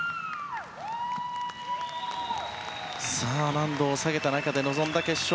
難度を下げた中で臨んだ決勝。